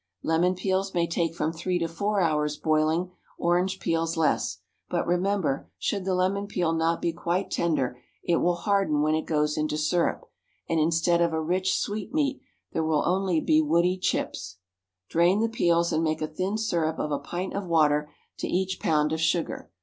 Lemon peels may take from three to four hours' boiling, orange peels less; but remember, should the lemon peel not be quite tender, it will harden when it goes into syrup, and instead of a rich sweetmeat there will be only woody chips. Drain the peels, and make a thin syrup of a pint of water to each pound of sugar.